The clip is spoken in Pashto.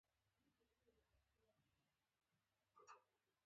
لږ پښه را واخله، په داسې ځبېدلو خو به ورځ بېګا کړې.